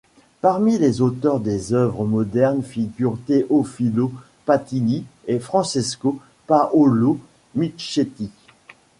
Parmi les auteurs des œuvres modernes figurent Teofilo Patini et Francesco Paolo Michetti.